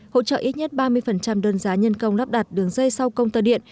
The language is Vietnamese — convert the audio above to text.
hỗ trợ ít nhất ba mươi đơn giá nhân công lắp đặt đường dây sau công tơ điện